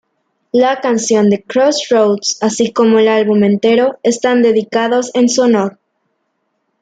La canción "Tha Crossroads" así como el álbum entero, están dedicados en su honor.